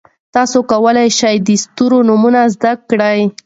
تاسي کولای شئ د ستورو نومونه زده کړئ.